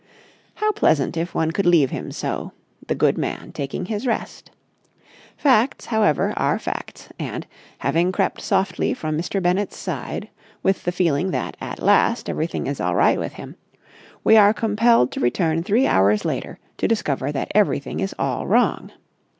How pleasant if one could leave him so—the good man taking his rest. Facts, however, are facts; and, having crept softly from Mr. Bennett's side with the feeling that at last everything is all right with him, we are compelled to return three hours later to discover that everything is all wrong.